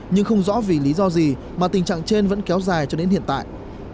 nhưng không rõ vì lý do gì mà tình trạng trên vẫn kéo dài cho đến hiện tại